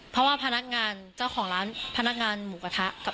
เพราะว่าพนักงานหมูกระทะเจ้าของร้านจะไปอยู่ที่แถว